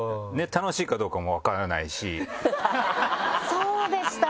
そうでしたか。